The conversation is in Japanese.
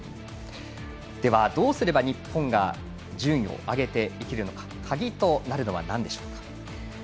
では、どうすれば日本が順位を上げていけるのか鍵となるのはなんでしょうか。